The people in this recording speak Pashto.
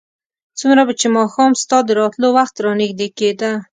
څومره به چې ماښام ستا د راتلو وخت رانږدې کېده.